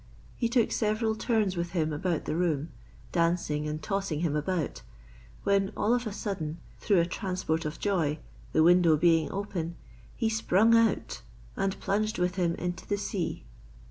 He took several turns with him about the room, dancing and tossing him about, when all of a sudden, through a transport of joy, the window being open, he sprung out, and plunged with him into the sea.